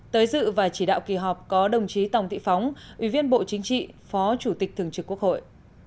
tới dự và chỉ đạo kỳ họp có đồng chí tòng thị phóng ủy viên bộ chính trị phó chủ tịch thường trực quốc hội